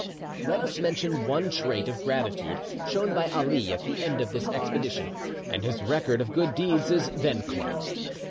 Let us mention one trait of gratitude shown by Ali at the end of this expedition, and his record of good deeds is then closed.